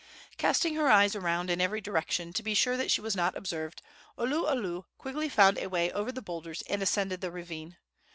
Casting her eyes around in every direction, to be sure that she was not observed, Oluolu quickly found a way over the boulders and ascended the ravine.